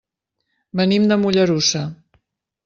Venim de Mollerussa.